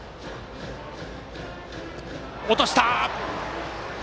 落とした！